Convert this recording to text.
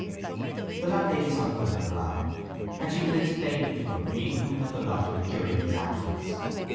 The landlady's husband had arrived, and she was explaining to him the incoming of the lodgers during his absence.